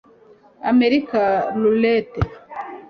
American Roulette